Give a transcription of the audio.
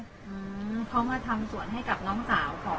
อืมเขามาทำสวนให้กับน้องสาวของ